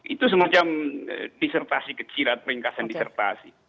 itu semacam disertasi kecil peringkatan disertasi